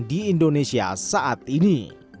di indonesia saat ini